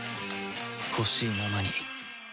ほしいままに